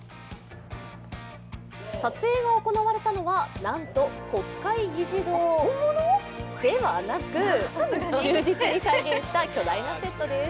撮影が行われたのはなんと国会議事堂ではなく、忠実に再現した巨大なセットです。